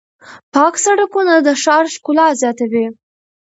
پاک سړکونه د ښار ښکلا زیاتوي.